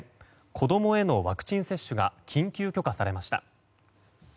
子供へのワクチン接種が緊急許可されました。